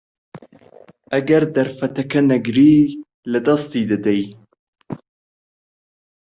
ئەگەر دەرفەتەکە نەگریت، لەدەستی دەدەیت.